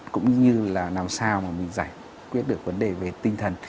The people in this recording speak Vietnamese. cũng như là làm sao mà mình giải quyết được vấn đề về tinh thần